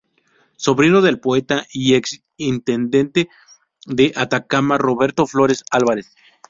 Sobrino del poeta y ex intendente de Atacama Roberto Flores Álvarez.